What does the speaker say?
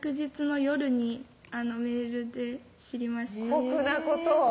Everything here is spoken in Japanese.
酷なことを。